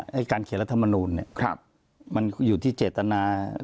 ให้การเขียนรัฐมนุนคืออยู่ที่เจตนา